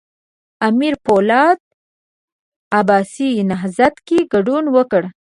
امیر پولاد عباسي نهضت کې ګډون وکړ.